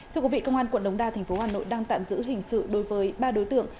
thưa quý vị công an quận đống đa tp hà nội đang tạm giữ hình sự đối với ba đối tượng